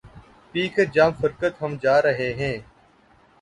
پی کر جام فرقت ہم جا رہے ہیں